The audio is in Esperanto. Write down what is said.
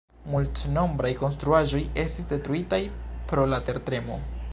Multnombraj konstruaĵoj estis detruitaj pro la tertremo.